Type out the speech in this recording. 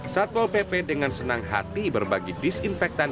satpol pp dengan senang hati berbagi disinfektan